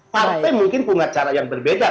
partai mungkin punya cara yang berbeda